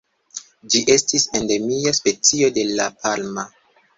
Ĝi estis endemia specio de La Palma.